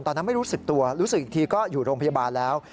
ตอนนั้นไม่รู้สึกตัวรู้สึกอีกทีก็อยู่โรงพยาบาลแล้ว